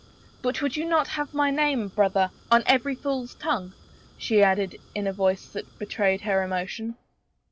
" But you would not have my name, brother, on every fool's tongue ?" she added in a voice that betrayed her emotion.